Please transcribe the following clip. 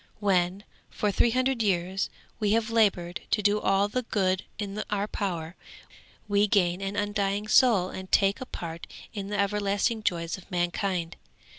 When, for three hundred years, we have laboured to do all the good in our power, we gain an undying soul and take a part in the everlasting joys of mankind.